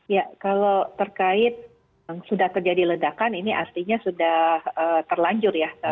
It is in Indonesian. ya kalau terkait sudah terjadi ledakan ini artinya sudah terlanjur ya